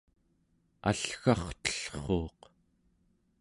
allgartellruuq